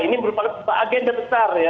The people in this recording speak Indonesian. ini berupa agenda besar ya